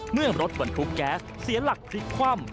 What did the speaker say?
เมื่อรถบรรทุกแก๊สเสียหลักพลิกคว่ำ